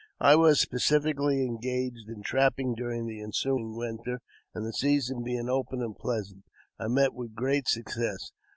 I was pacifically engaged in trapping during the ensuing winter, and the season being open and pleasant, I met with great success.